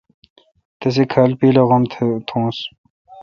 تسے کھال پیل اے°غم تھونس۔